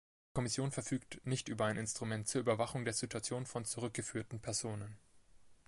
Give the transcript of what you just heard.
Die Kommission verfügt nicht über ein Instrument zur Überwachung der Situation von zurückgeführten Personen.